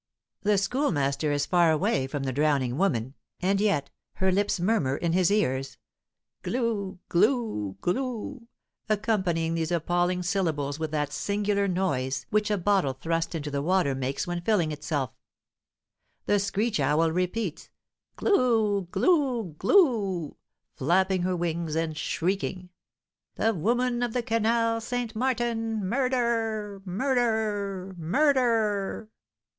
The Schoolmaster is far away from the drowning woman, and yet her lips murmur in his ears, "Glou! glou! glou!" accompanying these appalling syllables with that singular noise which a bottle thrust into the water makes when filling itself. The screech owl repeats, "Glou! glou! glou!" flapping her wings, and shrieking: "The woman of the Canal St. Martin! Murder! murder! murder!"